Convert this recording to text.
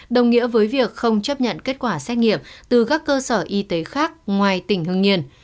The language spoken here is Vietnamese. đồng nghĩa với việc không chấp nhận kết quả xét nghiệm từ các cơ sở y tế khác ngoài tỉnh hưng yên